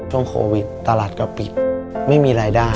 ช่วงโควิดตลาดก็ปิดไม่มีรายได้